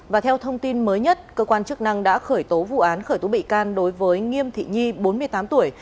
và theo thông tin mới nhất cơ quan chức năng đã khởi tố vụ án khởi tố bị can đối với nghiêm thị nhi bốn mươi tám tuổi